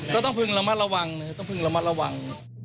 ก็ต้องพึงระมัดระวัง